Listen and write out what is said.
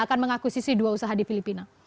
akan mengakuisisi dua usaha di filipina